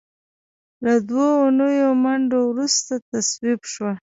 له دوو اونیو منډو وروسته تصویب شوه.